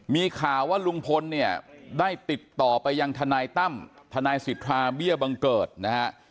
มีข่าวว่าลุงพลเนี่ยได้ติดต่อไปยังทนายตั้มทนายสิทธาเบี้ยบังเกิดนะฮะ